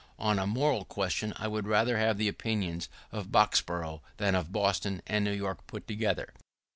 On any moral question, I would rather have the opinion of Boxboro' than of Boston and New York put together.